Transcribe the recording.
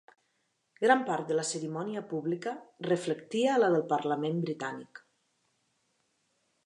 Gran part de la cerimònia pública reflectia la del Parlament britànic.